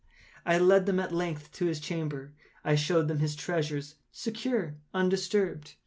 I led them, at length, to his chamber. I showed them his treasures, secure, undisturbed.